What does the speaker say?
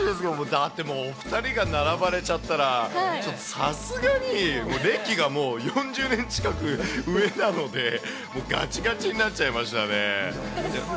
だってもう、お２人が並ばれちゃったら、ちょっとさすがに、歴が４０年近く上なので、もうがちがちになっちゃいましたね。